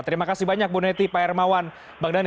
terima kasih banyak bu neti pak hermawan bang dhani